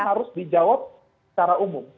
harus dijawab secara umum